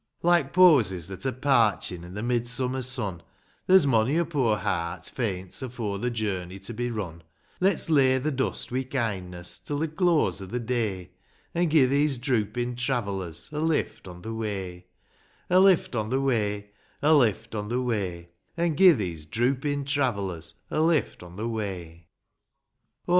Like posies that are parchin' in the midsummer sun, There's mony a poor heart faints afore the journey be run; Let's lay the dust wi' kindness, till the close of the day. An' gi' these droopin' travellers a lift on the way : A lift on the way ; A lift on the way ; An' gi' these droopin' travellers a lift on the way. A LIFT ON THE WAY. 6 1 VI.